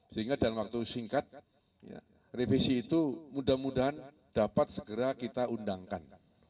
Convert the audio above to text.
sehingga dalam waktu singkat revisi itu mudah mudahan dapat segera kita undangkan